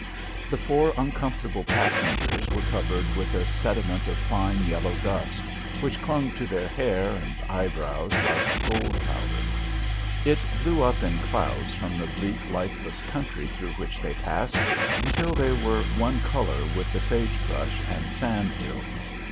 The four uncomfortable passengers were covered with a sediment of fine, yellow dust which clung to their hair and eyebrows like gold powder. It blew up in clouds from the bleak, lifeless country through which they passed, until they were one colour with the sage brush and sand hills.